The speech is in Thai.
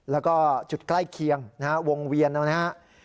แล้วก็จุดใกล้เคียงนะฮะวงเวียนนะครับ